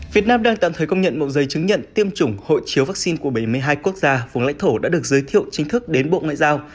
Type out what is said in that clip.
việt nam đang tạm thời công nhận một giấy chứng nhận tiêm chủng hộ chiếu vaccine của bảy mươi hai quốc gia vùng lãnh thổ đã được giới thiệu chính thức đến bộ ngoại giao